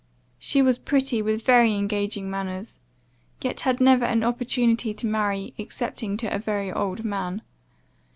She was pretty, with very engaging manners; yet had never an opportunity to marry, excepting to a very old man.